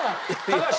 高橋